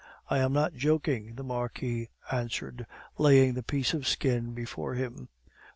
"I am not joking," the Marquis answered, laying the piece of skin before him.